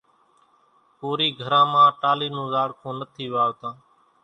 ڪورِي گھران مان ٽالِي نون زاڙکون نٿِي واوتان۔